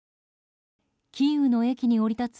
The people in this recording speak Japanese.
キーウの駅に降り立つ